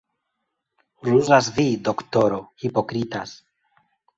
Ruzas vi, doktoro, hipokritas.